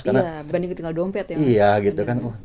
iya dibanding ketinggalan dompet